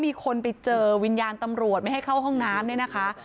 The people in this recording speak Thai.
มีคนไปเจอวิญญาณตำรวจไม่ให้เข้าห้องน้ำ